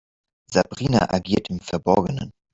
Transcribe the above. Sabrina agiert im Verborgenen.